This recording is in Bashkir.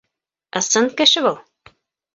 — Ысын кеше был!